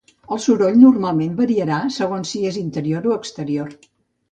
El soroll normalment variarà segons si és interior o exterior.